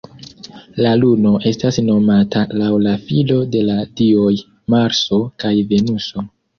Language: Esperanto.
La luno estas nomata laŭ la filo de la dioj Marso kaj Venuso.